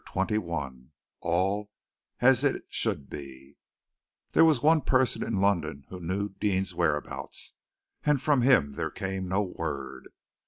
CHAPTER XXI ALL AS IT SHOULD BE There was one person in London who knew Deane's whereabouts, and from him there came no word.